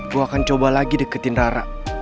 gue akan coba lagi deketin rara